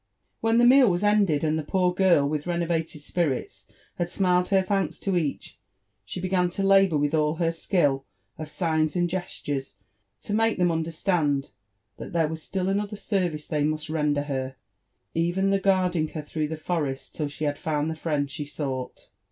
When Ibe meal was ended, and the poor girl with renovated spirits had smiled her thanks to each, she began to labour with all her skill of signs and gestures to make them understand that there was still another service they must render her, even the guarding her through the forest till she had found the friend she sought.